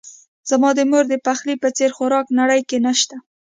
زما د مور دپخلی په څیر خوراک نړۍ کې نه شته